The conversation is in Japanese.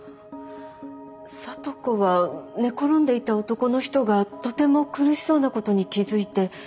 咲都子は寝転んでいた男の人がとても苦しそうなことに気付いて声をかけたと。